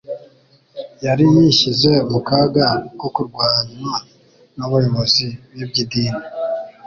yari yishyize mu kaga ko kurwanywa n'abayobozi b'iby'idini,